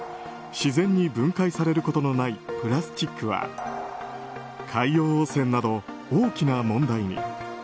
自然に分解されることのないプラスチックは海洋汚染など大きな問題に。